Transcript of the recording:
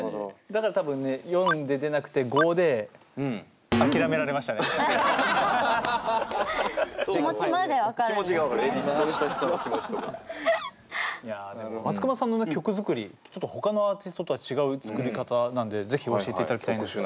だから多分ね④で出なくて⑤で松隈さんの曲作りちょっと他のアーティストとは違う作り方なんで是非教えていただきたいんですが。